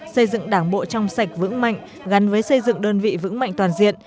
xây dựng đảng bộ trong sạch vững mạnh gắn với xây dựng đơn vị vững mạnh toàn diện